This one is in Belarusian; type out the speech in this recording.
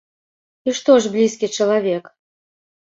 І што ж блізкі чалавек?